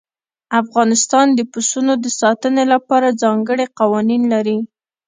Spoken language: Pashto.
افغانستان د پسونو د ساتنې لپاره ځانګړي قوانين لري.